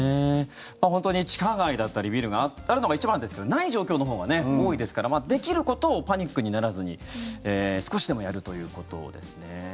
本当に地下街だったりビルがあるのが一番ですけどない状況のほうが多いですからできることをパニックにならずに少しでもやるということですね。